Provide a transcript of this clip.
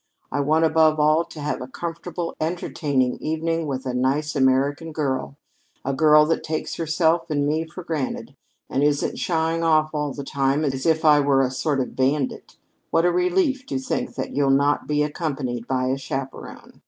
I want, above all, to have a comfortable entertaining evening with a nice American girl a girl that takes herself and me for granted, and isn't shying off all the time as if I were a sort of bandit. What a relief to think that you'll not be accompanied by a chaperon!